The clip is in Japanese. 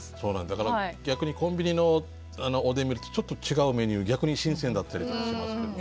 だから逆にコンビニのおでん見るとちょっと違うメニュー逆に新鮮だったりとかしますけどもね。